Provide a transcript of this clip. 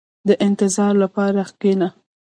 • د انتظار لپاره کښېنه.